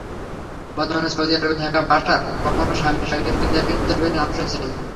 বর্তমানে সৌদি আরবে থাকা বাশার কখনো সামির শাকিরকে দেখেননি, তবে নাম শুনেছেন।